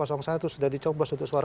sudah dicoblos itu suara satu